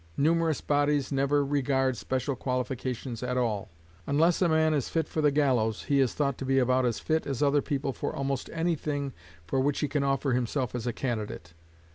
Numerous bodies never regard special qualifications at all. Unless a man is fit for the gallows, he is thought to be about as fit as other people for almost any thing for which he can offer himself as a candidate.